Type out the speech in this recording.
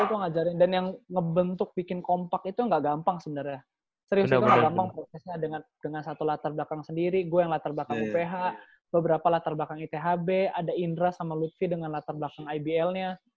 aku ngajarin dan yang ngebentuk bikin kompak itu gak gampang sebenarnya serius itu gampang prosesnya dengan satu latar belakang sendiri gue yang latar belakang uph beberapa latar belakang ithb ada indra sama lutfi dengan latar belakang ibl nya